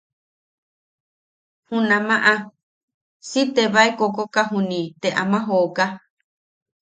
Junamaʼa si tebae kokoka juniʼi te ama jooka.